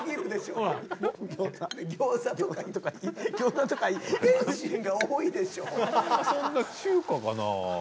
普段はそんな中華かな？